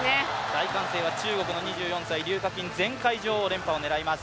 大歓声は中国の２４歳、柳雅欣前回女王、連覇を狙います。